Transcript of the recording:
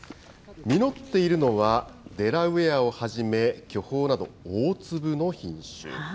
実っているのは、デラウエアをはじめ、巨峰など、大粒の品種。